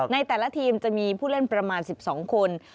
ในแต่ละทีมจะมีผู้เล่นประมาณ๑๒คน